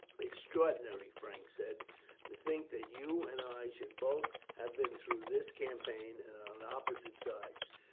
"Extraordinary!" Frank said, "to think that you and I should both have been through this campaign, and on opposite sides.